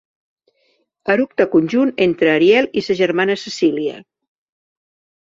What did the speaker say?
Eructe conjunt entre Ariel i sa germana Cecília.